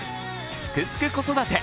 「すくすく子育て」